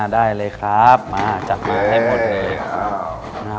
ได้เลยครับจัดมาให้หมดเลย